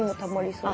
そう。